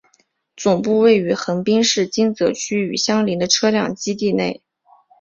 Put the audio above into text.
总部位于横滨市金泽区与相邻的车辆基地内。